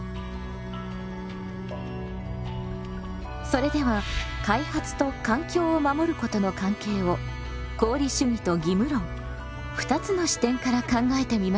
それでは開発と環境を守ることの関係を功利主義と義務論２つの視点から考えてみましょう。